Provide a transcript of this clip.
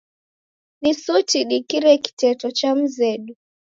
Ni suti dikire kiteto cha mzedu.